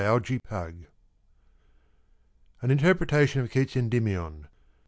Capetown An Interpretation of Keats's Endy mion By H.